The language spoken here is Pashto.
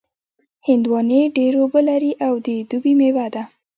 هندوانې ډېر اوبه لري او د دوبي مېوه ده.